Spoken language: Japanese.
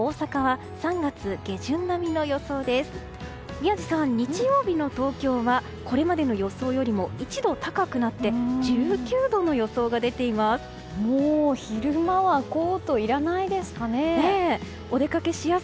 宮司さん、日曜日の東京はこれまでの予想よりも１度高くなって１９度の予想が出ています。